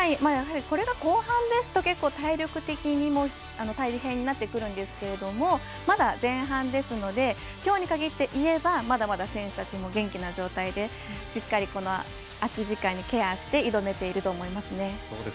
これが後半ですと結構、体力的にも大変になってくるんですけどまだ前半ですのできょうに限っていえばまだまだ選手たちも元気な状態でしっかり空き時間にケアして挑めていると思います。